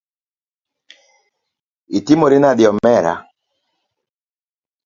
Itimori nade omera.